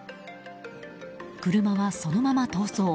車は、そのまま逃走。